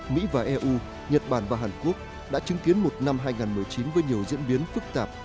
mỹ và eu nhật bản và hàn quốc đã chứng kiến một năm hai nghìn một mươi chín với nhiều diễn biến phức tạp